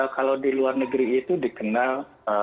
kalau di luar negeri itu dikenal